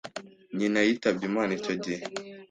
nyina yitabye Imana icyo gihe